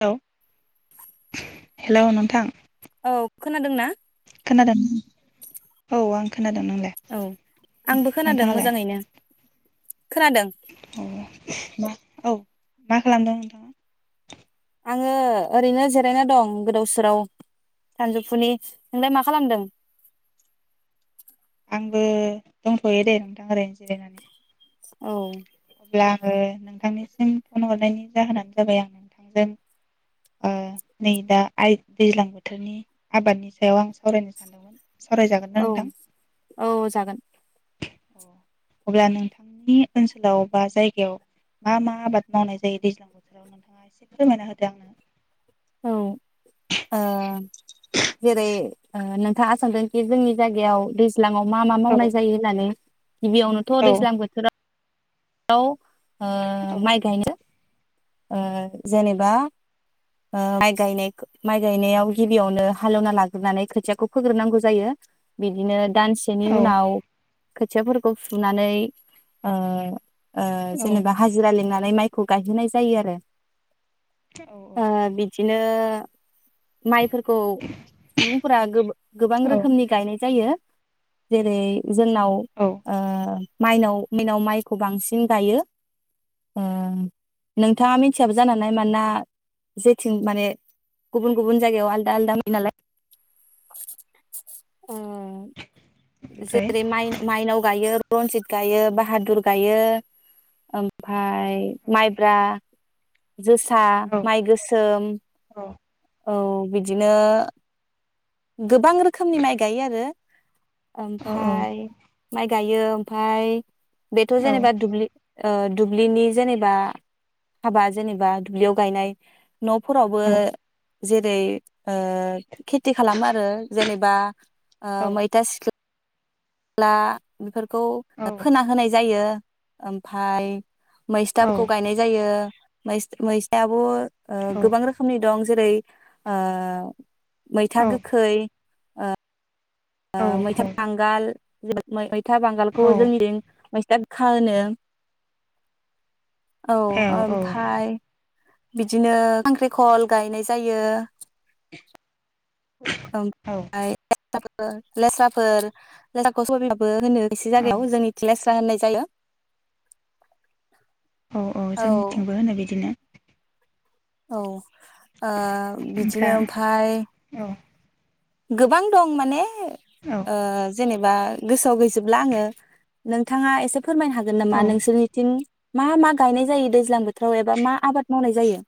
औ। हेलौ नोंथां। औ खोनादों ना? खोनादों औ आं खोनादों नोंलाय औ आंबो खोनादों नोंथाङालाय मोजाङैनो। खोनादों [unintelligible] औ। मा खालामदों नोंथाङा? आङो ओरैनो जिरायना दं गोदाव सोराव सानजौफुनि नोंलाय मा खालामदों? आंबो दंथ'यो दे नोंथां ओरैनो जिरायनानै। औ। अब्ला आङो नोंथांनिसिम फन हरनायनि जाहोनानो जाबाय आं नोंथांजों ओ नै दा आइ दैज्लां बोथोरनि आबादनि सायाव आं सावरायनो सानदोंमोन। सावरायजागोन ना औ नोंथां औ जागोन। अब्ला नोंथांनि ओनसोल लाव बा जायगायाव मा मा आबाद मावनाय जायो दैज्लां बोथोराव नोंथाङा एसे फोरमायना होदो आंनो। औ ओ जेरै ओ नोंथाङा सोंदोंखि जोंनि जायगायाव दै ज्लांआव मा मा फोरमायना होदो मावनाय जायो होननानै। गिबियावनोथ' आंनो दैज्लां बोथोरा आव। ओ औ माइ गायो। ओ जेनेबा ओ माइ गायनायखो माइ गायनायाव गिबियावनो हालेवना लाग्रोनानै खोथियाखौ फोग्रोनांगौ जायो बिदिनो दानसेनि औ उनाव खोथियाफोरखौ फुनानै ओ ओ औ औ जेनेबा हाजिरा लिंना नै माइखौ गायहोनाय जायो आरो। औ औ। ओ बिदिनो माइफोर खौ सुबुंफोरा गोबां औ रोखोमनि गायनाय जायो। जेरै जोंनाव औ ओ माइनाव मिनाव माइ गोबांसिन गायो ओ नोंथाङा मिथियाबो जानो हानाय मानोना जेथिं माने गुबुन गुबुन जायगायाव आलदा आलदा नुयो नालाय। उम ओमफ्राय जेरै माइनाव गायो। रन्जित गायो बाहादुर गायो ओमफाय औ माइब्रा जोसा औ माइ गोसोम औ औ औ बिदिनो गोबां रोखोमनि माइ गायो आरो। औ ओमफाय माइ गायो ओमफाय बेथ' जेनेबा दुबलि ओ दुब्लिनि जेनेबा हाबा जेनेबा दुब्लियाव गायनाय न'फोरावबो जेरै ओ खेथि खालामो आरो जेनेबा ओ मैथा सिख्ल ना बेफोर खौ फोना होनाय जायो। ओमफाय मैस्थाफोरखौ गायनाय जायो। मैस-मैसथाआब' ओ गोबां रोखोमनि दं। जेरै आ मैथा गोखै ओ ओ मैथा बांगाल [unintelligible] था बांगालखौ औ जोंनिथिं मैसथाग खा होनो। औ ओमफाय बिदिनो खांख्रिखल गायनाय जायो। ओमफाय फोर लेस्राफोर लेस्राखौ, सबाय बिमाबो होनो एसे औ औ जायगायाव जोंनिथिं लेस्रा स्रा होननाय जायो। औ औ जोंनिथिंबो होनो बिदिनो औ ओ ओमफ्रा बिदिनो ओमफाय औ गोबां दं माने औ ओ जेने बा गोसोआव गैजोबला आंङो नोंथांङा एसे फोरमायनो हागोन औ नामा नोंसोरनिथिं मा मा गायनाय जायो दैज्लां बोथोराव एबा मा आबाद मावनाय जायो।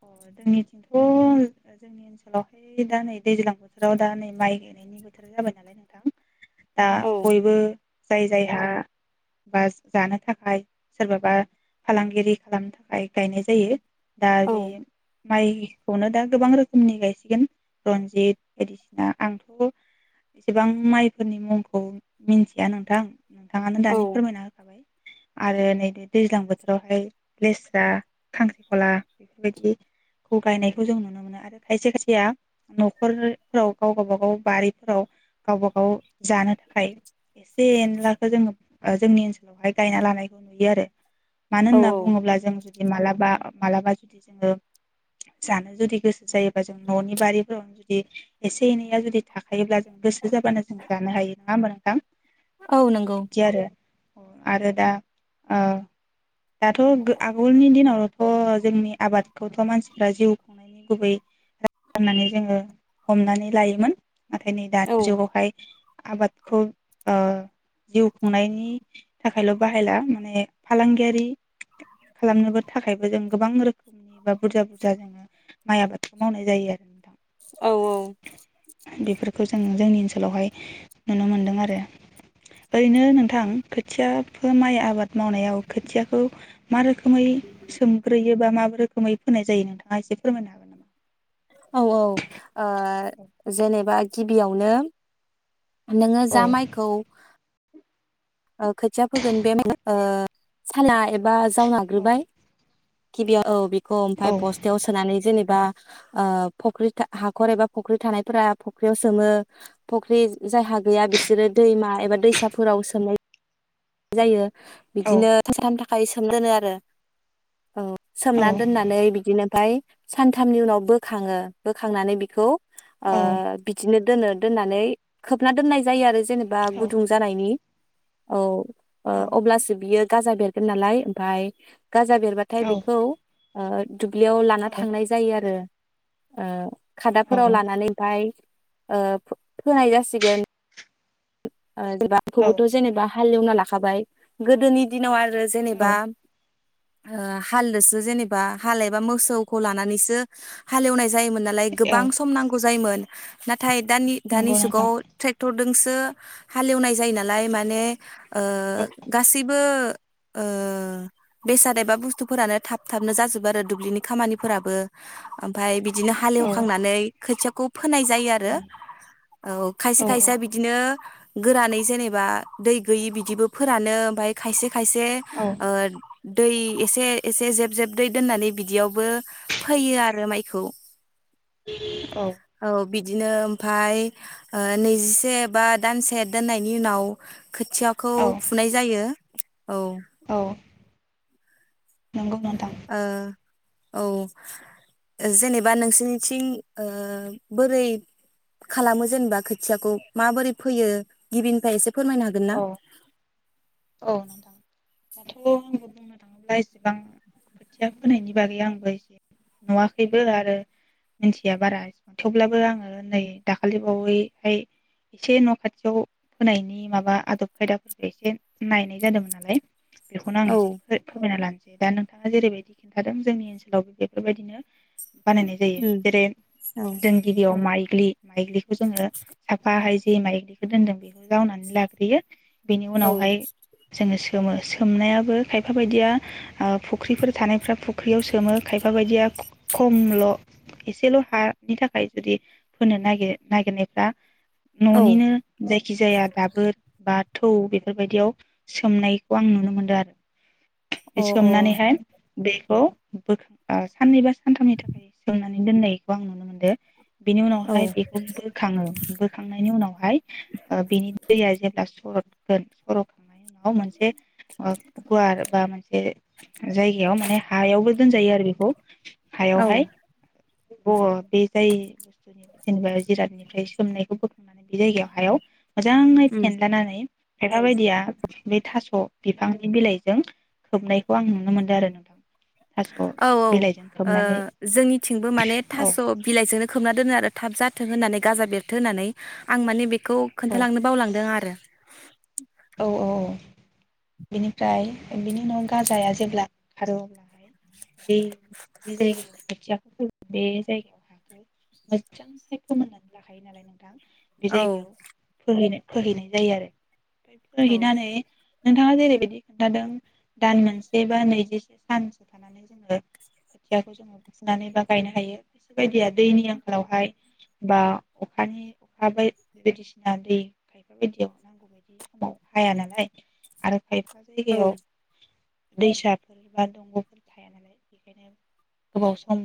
अ जोंनिथिंथ' जोंनि ओनसोलावहाय दा नै दैज्लां बोथोराव दा नै माइ गायनायनि बोथोर जाबाय नालाय नोंथां। दा औ बयबो जाय जायहा बा जानो थाखाय सोरबाबा फालांगिरि खालामनो थाखाय गायनाय जायो दा औ बे माइखौनो दा गोबां रोखोमनि गायसिगोन रनजित बायदिसिना आंथ' एसेबां माइफोरनि मुंखौ मिन्थिया नोंथां नोंथाङानो औ दानि फोरमायना होखाबाय आरो नै दैज्लां बोथोरावहाय लेस्रा, खांख्रिखला बेफोरबायदिखौ गायनायखौ जों नुनो मोनो आरो खायसे खायसेया नखरफोराव गाव गावबा गाव बारिफोराव गावबा गाव जानो थाखाय एसे एनलाखौ जोंङो जोंनि ओनसोलावहाय गायना लानायखौ नुयो आरो मानो औ होनना बुंङोब्ला जों जु मालाबा मालाबा दि जोंङो जानो जुदि गोसो जायोबा जों न'नि बारिफोराव जुदि एसे एनैया जुदि थाखायोब्ला जों गोसो जाबानो जों जानो हायो नंङा होमबा नोंथां। औ नोंगौ। बिदि आरो आरो दा आ दाथ' आगोलनि दिनावनोथ' जोंनि आबादखौथ' मानसिफ्रा जिउ खुंनायनि गुबै राहाहोनानै जोंङो हमनानै लायोमोन। नाथाय नै औ दानि जुगावहाय आबादखौ ओ जिउ खुंनायनि थाखायल' बाहायला माने फालांगियारि खालामनोबो थाखायबो जों गोबां रो खोमनि बा बुरजा बुरजा जोङो माइ आबादखौ मावनाय जायो आरो नोंथां। औ औ बेफोरखौ जों जोंनि ओनसोलावहाय नुनो मोनदों आरो ओरैनो नोंथां खोथियाफोर माइ आबाद मावनायाव खोथियाखौ मा रोखोम मै सोमब्रै बेबा मा रोखोमै फोननाय जायो नोंथांङा एसे फोरमायनो हागोन ना? औ औ ओ जेनेबा गिबियावनो नोङो औ जा माइखौ ओ खोथिया फोगोन बे साला एबा बा जाव नाग्रोबाय गिबियाव औ बि खौ औ ओमफ्राय बस्थायाव सोनानै जेनेबा ओ फख्रि हाखर एबा फख्रि थानायफोरा फख्रियाव सोमो फुख्रि जायहा गैया बिसोरो दैमा एबा दैसाफोराव सोमनाय जायो। औ बिदिनो [unintelligible] फाय सोम दोनो आरो औ औ सोमना दोननानै बिदिनो फाय सानथामनि उनाव बोखाङो बोखांनानै बेखौ ओ औ बिदिनो दोनो दोननानै खोबना दोननाय जायो आरो जेनेबा औ गुदुं जानायनि औ ओ अब्लासो बियो गाजा बेरगोन नालाय ओमफाय गाजा बेरबाथाय बेखौ ओ दुब्लियाव लाना थांनाय जायो आरो ओ खादाफोराव लानानै आमफाय ओ फोनाय जासिगोन औ ओ [unintelligible] जेनेबा हालेवना लाखाबाय गोदोनि दिनाव आ रो जेनेबा औ ओ हालदोसो जेनेबा हाल एबा मोसौखौ लानानैसो हालेवनाय जायोमोन नालाय गोबां औ सम नांगौ जायोमोन। ना थाय दानि दानि नंगौ जुगाव नोंथां ट्रेक्टर दोंसो हालेवनाय जायो नालाय माने ओ औ गासैबो ओ बेसाद एबा बुस्थुफोरानो थाब थाबनो जाजोबो आरो दुब्लिनि खामानिफोराबो ओमफ्राय बि बिदिनो औ हालेवखांनानै खोथियाखौ फोनाय जायो आरो औ औ खायसे खायसे बिदिनो गोरानै जेनेबा दै गैयि बिदिबो फोरानो ओमफाय खायसे खायसे औ ओ दै एसे एसे जेब जेब दै दोननानै बिदियावबो फैयो आरो माइखौ औ बिदिनो ओमफाय ओ नैजिसे बाद दानसे दोननायनि उनाव खोथियाखौ औ फुनाय जायो औ औ नोंगौ नामा ओ औ जेनेबा नोंसिनिथिं ओ बोरै खालामो जेनबा खोथियाखौ माबोरै फैयो गिबिनिफ्राय एसे फोरमायनो हागोन ना ओ [unintelligible] खोथिया फोनाय बागै आंबो नुवाखैबो आरो मिथिया बारा थेवब्लाबो आङो नै दाखालिबावैहाय एसे न खाथियाव फोनायनि माबा आदब खायदाखौ एसे नायनाय जादोंमोन नालाय बेखौनो आं औ एसे फोरमायना लानो दा नोंथाङा जेरैबायदि खिन्थादों जोंनि ओनसोलावबो बेफोरबायदिनो बानायनाय जायो उम जेरै औ जों गिबियाव माइ ज्लि माइज्लिखौ जोङो साफाहाय जे माइज्लिखौ दोनदों बेखौ जावनानै लाग्रोयो बेनि औ उनावहाय जोंङो गोमो सोमनायाबो खायफा बायदिया ओ फुख्रिफोर थानाय फ्रा फुख्रियाव सोमो खायफा बायदिया खम ल एसेल हानि थाखाय जुदि फोनोनागिर नागिरनायफ्रा औ ननिनो जायखि जाया दाबोर बाद थौ बेफोरबायदियाव सोमनायखौ आं नुनो मोनदों अ आरो सोमनानैहाय बे खौ बोखां ओ साननै बा सानथामनि थाखाय सोमनानै दोननाय खौ आं नुनो मोनदों। बेनि औ उनावहाय बेखौ बोखाङो बोखांनायनि उनावहाय ओ बेनि दैया जेब्ला सरद गोन सरद खांनायनि उनाव मोनसे ओ गुवार बा मोनसे जायगायाव माने हायावबो दोनजायो आरो बेखौ हायावहाय। ब बे जाय बुस्थुनि जेनेबा जिरादनिफ्राय सोमनायखौ बोखांनानै बे जायगायाव हायाव मोजाङै उम फेनलानानै खायफाबायदिया बे थास बिफांनि बिलाइजों खोबनायखौ आं नुनो मोनदों आरो नोंथां। थास' औ औ ओ बिलाइजों खोबनानै जोंनिथिंबो माने औ थास बिलाइजोंनो खोबना दोनो आरो। थाब जाथों होननानै गाजा बेरथों होननानै। आं माने बे खौ औ खोन्थालांनो बावलांदों आरो। [inaudible] औ औ औ। बिनिफ्राय बिनि उनाव गाजाया जेब्ला ओंखारो अब्लाहाय बे जि जायगायाव खोथियाखौ फोगोन बे जायगायाव हाखौ मोजांहाय फोमोननानै लाखायो नालाय नोंथां, बे औ जायगायाव फोहैनो फोहैनाय जायो आरो। औ फोहैनानै नोंथाङा जेरैबायदि खोन्थादों दान मोनसे बा नैजिसे सानसो थानानै जोङो खोथियाखौ जोङो बुखुनानै बा गायनो हायो। खायसे बायदिया दैनि आंखालावहाय बा अखानि अखा बाय बे बायदिसिना दै खायफा बायदियाव नांगौ बायदि बे समाव हाया नालाय आरो खाय फा औ जायगायाव दैसाफोर बा दंगफोर थाया नालाय बेखायनो गोबाव सम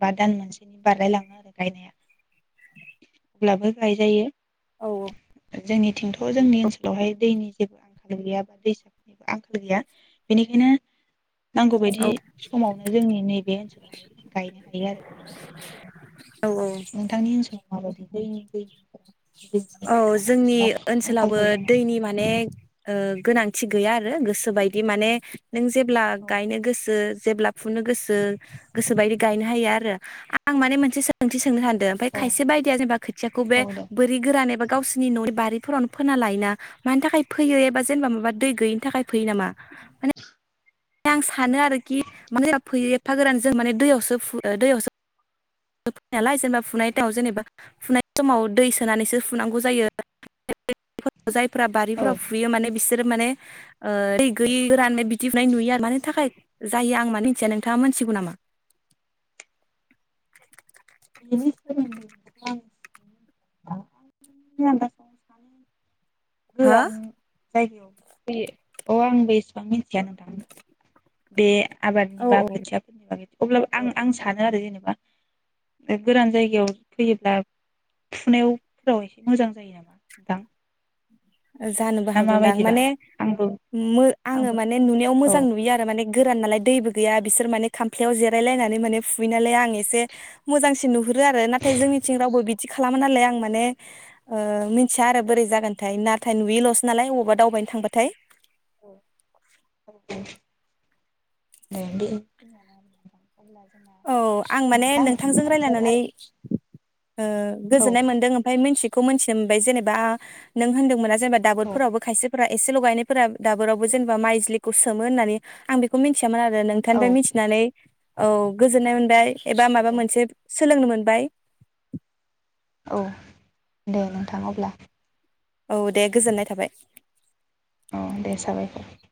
बा दान मोनसेनि बारलाय लाङो आरो गायनाया। अब्लाबो गायजायो। औ जोंनि थिंथ जोंनि ओन सोलावहाय दैनि जेबो आंखाल गैया बा दैसाफोरनिबो आंखाल गैया। बेनिखायनो नांगौ बायदि औ समावनो जोंनि नैबे ओनसोलावहाय गायनो हायो आरो औ औ नोंथां। नोंथांनि ओनसोलाव माबायदि दै दै दैनि औ खहा जोंनि एबा ओनसोलावबो आंखालफोर दङ नामा? दैनि माने ओ गोनांथि गैया आरो गोसोबायदि माने नों जेब्ला गायनो गोसो जेब्ला फुनो गोसो गोसोबायदि गायनो हायो आरो आं माने मोनसे सोंथि सोंनो सान ओमफ्राय औ खायसे बायदिया जेनेबा खोथियाखौ बे औ दे बोरै एबा गावसनि ननि बारिफोरावनो फोना लायोना मानि थाखाय फैयो एबा जेनेबा माबा दै गैयिनि थाखाय फैयो नामा? माने आं सानो आरोखि [unintelligible] माना फैयो एफा गोरान जों माने दैयावसोु दैयावसो फु यो नालाय जेनेबा फुनाय माव जेनेबा फुनाय समाव दै सोनानैसो फुनांगौ जायो [unintelligible] जायफ्रा औ बारिफ्राव फुयो माने बिसो माने दै गैयि राननाय बिदिफनाय नुयो आरो मानि थाखाय जायो आं मानो मिथिया नोंथाङा मोनथिगौ नामा? [unintelligible] [unintelligible] [unintelligible] [unintelligible] अ हो आं बिखौ मोनथिया नोंथां बे आबादनि बा खोथियाफोरनि बागै अब्ला आं आं सानो आरो जेनेबा गोरान जायगायाव फैयोब्ला फुनायावफोराव एसे मोजां जायो नामा दां जानोबो हागौदां माने आंबो आङो आंबो माने नुनायाव औ मोजां नुयो आरो माने गोरान नालाय दैबो गैया बिसोर माने खामफ्याव जेरायलायनानै माने फुैयो नालाय आं एसे मोजांसिन नुहुरो आरो नाथाय जोंनिथिं रावबो बिदि खालामा नालाय आं माने ओ मिथिया आरो बोरै जागोनथाय ना नाथाय नुयैल'सो नालाय बबावबा दावबायनो थांबाथाय औ [unintelligible] औ आं माने नोंथां नोंथांजों समाबो रायलायनानै जाबाय ओ औ गोजोननाय मोन्दों ओमफ्राय मिथि खौ मोनथिनो मोनबाय जेनेबा नों होन्दोंमोना जेनबा औ दाबोदफोरावबो खायसे एसे लगायनायफोरा दाबोरावबो जेनेबा माइज्लिखौ सोमो होननानै आं बेखौ मिथि मोन आरो नोंथांनिफ्राय औ मिथिनानै औ गोजोननाय मोनबाय एबा माबा मोनसे सोलोंनो मोनबाय औ दे नोंथां अब्ला औ दे गोजोननाय थाबाय औ दे साबायखर